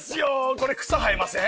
これ草生えません？